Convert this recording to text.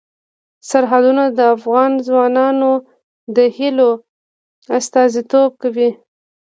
سرحدونه د افغان ځوانانو د هیلو استازیتوب کوي.